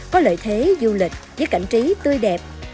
có lợi thế du lịch với cảnh trí tươi đẹp